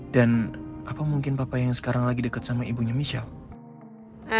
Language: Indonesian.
dan apa mungkin papa yang sekarang lagi deket sama ibunya michelle